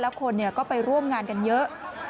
แล้วคนก็ไปร่วมงานกันเยอะ